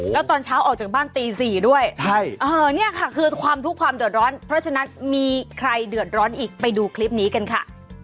แล้วตอนเช้าออกจากบ้านตี๔ด้วยเนี่ยค่ะคือความทุกข์ความเดือดร้อนเพราะฉะนั้นมีใครเดือดร้อนอีกไปดูคลิปนี้กันค่ะ